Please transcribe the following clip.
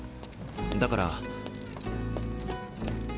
だから。